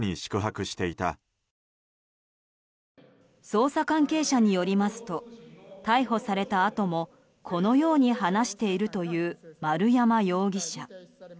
捜査関係者によりますと逮捕されたあともこのように話しているという丸山容疑者。